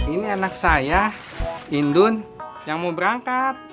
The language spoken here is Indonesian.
ini anak saya indun yang mau berangkat